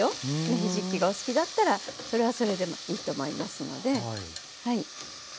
芽ひじきがお好きだったらそれはそれでもいいと思いますので。